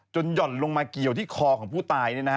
หย่อนลงมาเกี่ยวที่คอของผู้ตาย